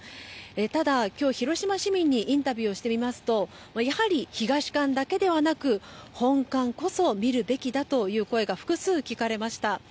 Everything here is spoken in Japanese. ただ今日、広島市民にインタビューをしてみますとやはり東館だけではなく本館こそ見るべきだという声が複数聞かれました。